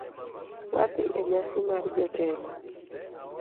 Wadhi enyasi mar jotelo